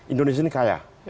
indonesia ini kaya